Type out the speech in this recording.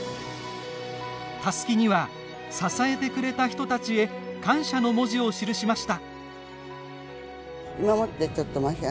たすきには支えてくれた人たちへ感謝の文字を記しました。